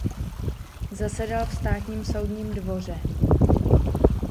Zasedal v státním soudním dvoře.